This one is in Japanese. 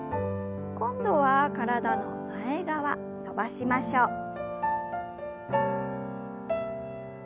今度は体の前側伸ばしましょう。